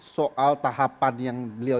soal tahapan yang beliau